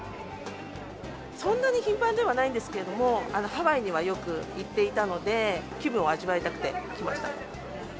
そんなに頻繁ではないんですけども、ハワイにはよく行っていたので、気分を味わいたくて来ました。